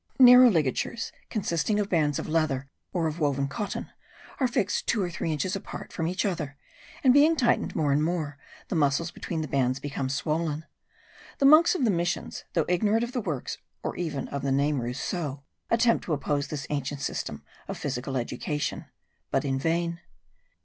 Narrow ligatures, consisting of bands of leather, or of woven cotton, are fixed two or three inches apart from each other, and being tightened more and more, the muscles between the bands become swollen. The monks of the missions, though ignorant of the works or even of the name of Rousseau, attempt to oppose this ancient system of physical education: but in vain.